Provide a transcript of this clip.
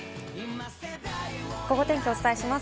ゴゴ天気をお伝えします。